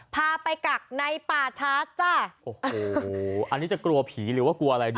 พาไปกักในป่าช้าจ้ะโอ้โหอันนี้จะกลัวผีหรือว่ากลัวอะไรดี